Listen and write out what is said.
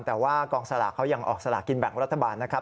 แต่ว่ากองสลากเขายังออกสลากินแบ่งรัฐบาลนะครับ